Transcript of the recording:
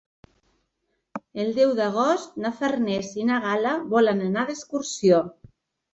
El deu d'agost na Farners i na Gal·la volen anar d'excursió.